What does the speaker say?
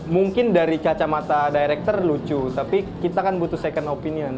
mungkin dari kacamata director lucu tapi kita kan butuh second opinion